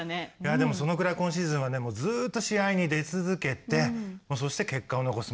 でもそのぐらい今シーズンはねずっと試合に出続けてそして結果を残す。